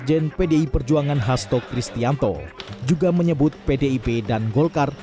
sekjen pdi perjuangan hasto kristianto juga menyebut pdip dan golkar